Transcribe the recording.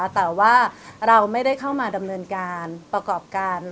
แต่ว่าเราไม่ได้เข้ามาดำเนินการประกอบการ